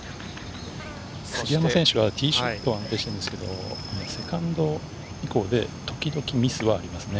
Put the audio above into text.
杉山選手は、ティーショットは安定していますが、セカンド以降で時々ミスはありますね。